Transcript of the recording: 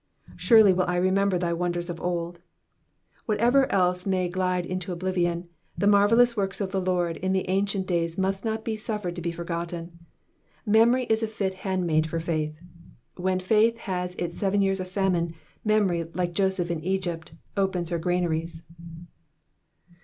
^^ Surely I wUl remember thy wanders of MJ^'* Whatever else may glide into oblivion, the marvellous works of the Lord in the ancient days must not be suffered to be forgotten. Memory is a fit handmaid for faith. * When faith has its seven years of famine, memory like Joseph in Egypt opens her granaries.